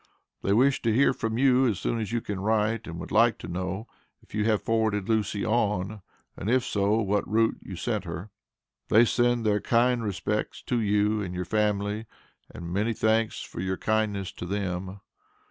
They wish to hear from you as soon as you can write, and would like to know if you have forwarded Lucy on, and if so, what route you sent her. They send their kind respects to you and your family and many thanks for your kindness to them.